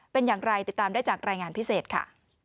เป็นอย่างไรติดตามได้จากรายงานพิเศษค่ะ